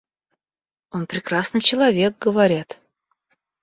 Он прекрасный человек, говорят.